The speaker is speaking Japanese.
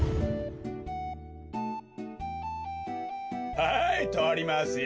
はいとりますよ。